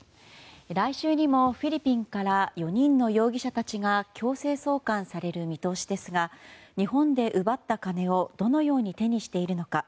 来週にもフィリピンから４人の容疑者たちが強制送還される見通しですが日本で奪った金をどのように手にしているのか。